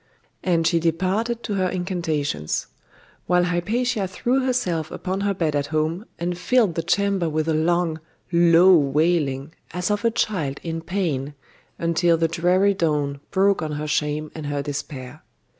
And she departed to her incantations; while Hypatia threw herself upon her bed at home, and filled the chamber with a long, low wailing, as of a child in pain, until the dreary dawn broke on her shame and her despair.